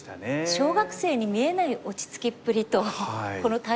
小学生に見えない落ち着きっぷりとこの対局内容でしたが。